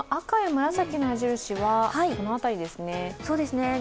赤や紫の矢印はこの辺りですね？